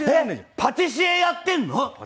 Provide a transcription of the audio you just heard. パティシエやってんの？